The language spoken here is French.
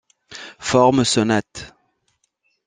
Forme sonate.